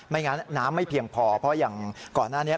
งั้นน้ำไม่เพียงพอเพราะอย่างก่อนหน้านี้